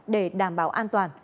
để đảm bảo an toàn